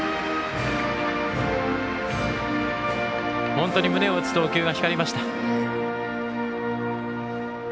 本当に胸を打つ投球が光りました。